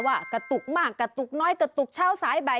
ว่ากระตุกมากกระตุกน้อยกระตุกเช้าสายบ่าย